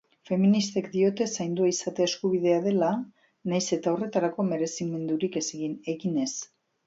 Feministek diote zaindua izatea eskubide dela nahiz eta horretarako merezimendurik egin ez